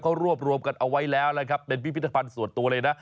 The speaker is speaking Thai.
เขารวบรวมกันเอาไว้แล้วนะครับเป็นพิพิธภัณฑ์ส่วนตัวเลยนะ